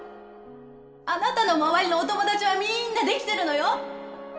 あなたのまわりのお友達はみんなできてるのよ！